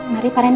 mari pak randy